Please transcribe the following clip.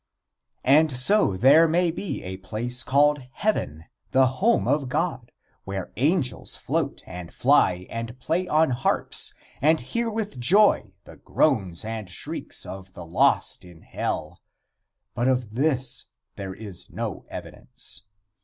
And so there may be a place called "heaven," the home of God, where angels float and fly and play on harps and hear with joy the groans and shrieks of the lost in hell, but of this there is no evidence.